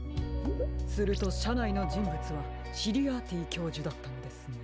するとしゃないのじんぶつはシリアーティ教授だったのですね。